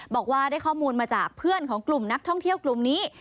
บอกว่าได้ข้อมูลมาจากเพื่อนของกลุ่มนักท่องเที่ยวกลุ่มนี้